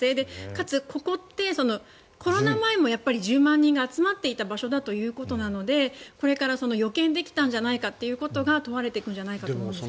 かつ、ここってコロナ前も１０万人が集まっていた場所だということなのでこれから予見できたんじゃないかということが問われていくんじゃないかと思います。